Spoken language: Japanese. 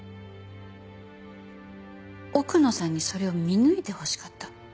奥野さんにそれを見抜いてほしかった。